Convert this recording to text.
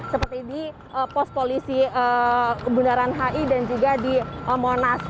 seperti di pos polisi bundaran hi dan juga di monas